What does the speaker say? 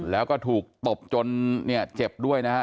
แล้วก็ถูกตบจนเนี่ยเจ็บด้วยนะฮะ